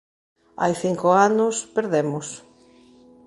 Hai cinco anos, perdemos.